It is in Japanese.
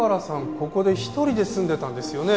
ここで１人で住んでたんですよね？